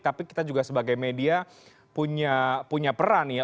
tapi kita juga sebagai media punya peran ya